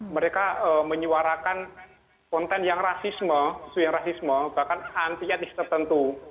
mereka menyuarakan konten yang rasisme isu yang rasisme bahkan anti etis tertentu